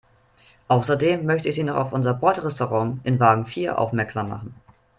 Außerdem möchte ich Sie noch auf unser Bordrestaurant in Wagen vier aufmerksam machen.